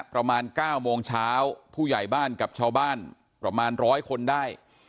ประมาณ๙โมงเช้าผู้ใหญ่บ้านกับชาวบ้านประมาณ๑๐๐คนได้